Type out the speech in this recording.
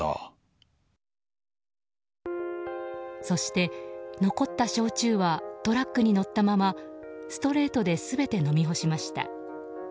そして残った焼酎はトラックに乗ったままストレートで全て飲み干しました。